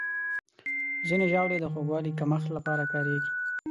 ځینې ژاولې د خوږوالي کمښت لپاره کارېږي.